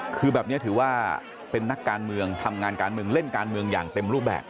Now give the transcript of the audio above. คือแบบนี้ถือว่าเป็นนักการเมืองทำงานการเมืองเล่นการเมืองอย่างเต็มรูปแบบ